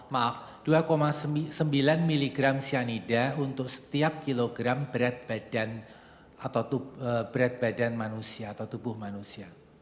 maaf dua sembilan mg cyanida untuk setiap kilogram berat badan manusia atau tubuh manusia